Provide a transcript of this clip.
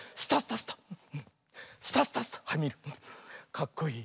かっこいい。